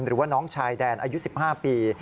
หรือว่าน้องชายแดนอายุ๑๕ปี